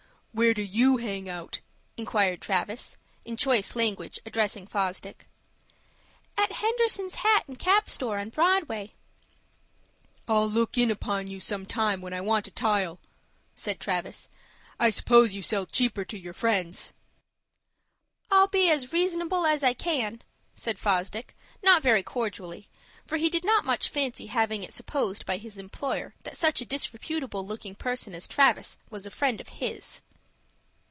"Where do you hang out?" inquired Travis, in choice language, addressing Fosdick. "At Henderson's hat and cap store, on Broadway." "I'll look in upon you some time when I want a tile," said Travis. "I suppose you sell cheaper to your friends." "I'll be as reasonable as I can," said Fosdick, not very cordially; for he did not much fancy having it supposed by his employer that such a disreputable looking person as Travis was a friend of his.